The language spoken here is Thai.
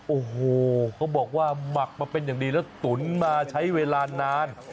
โอ้โหเขาบอกว่าหมักมาเป็นอย่างดีแล้วตุ๋นมาใช้เวลานาน